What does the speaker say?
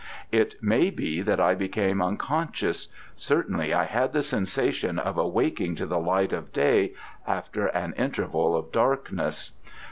It may be that I became unconscious: certainly I had the sensation of awaking to the light of day after an interval of darkness.